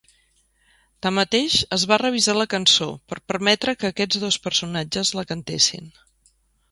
Tanmateix, es va revisar la cançó per permetre que aquests dos personatges la cantessin.